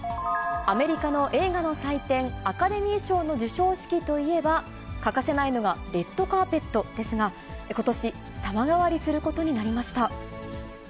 アメリカの映画の祭典、アカデミー賞の授賞式といえば、欠かせないのがレッドカーペットですが、ことし、様変わりすることになりました。